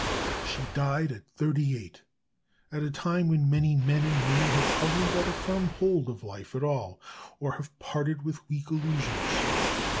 She died at thirty eight, at a time when many men and women have hardly got a firm hold of life at all, or have parted with weak illusions.